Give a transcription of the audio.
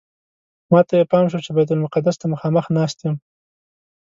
ماته یې پام شو چې بیت المقدس ته مخامخ ناست یم.